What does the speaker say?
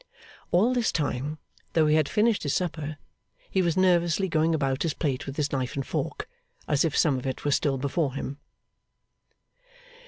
All this time, though he had finished his supper, he was nervously going about his plate with his knife and fork, as if some of it were still before him.